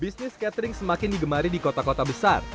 bisnis catering semakin digemari di kota kota besar